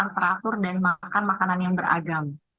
pola makan teratur dan makan makanan yang beragam